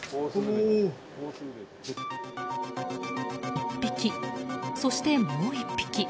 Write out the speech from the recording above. １匹、そしてもう１匹。